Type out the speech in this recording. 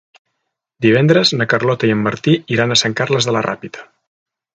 Divendres na Carlota i en Martí iran a Sant Carles de la Ràpita.